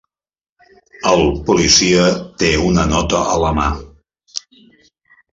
El policia té una nota a la mà.